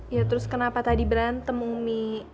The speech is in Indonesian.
ya terus kenapa tadi berantem umi